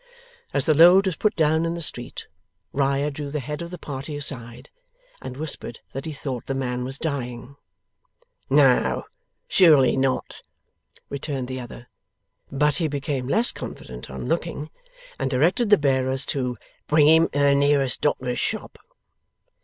As the load was put down in the street, Riah drew the head of the party aside, and whispered that he thought the man was dying. 'No, surely not?' returned the other. But he became less confident, on looking, and directed the bearers to 'bring him to the nearest doctor's shop.